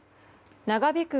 長引く